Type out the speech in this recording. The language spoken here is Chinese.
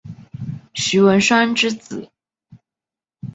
徐文铨之子。